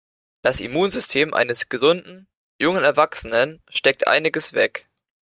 Das Immunsystem eines gesunden, jungen Erwachsenen steckt einiges weg.